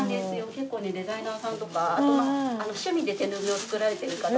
結構ねデザイナーさんとかあと趣味で手ぬぐいを作られている方とか。